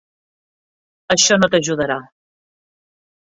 Això no t'ajudarà.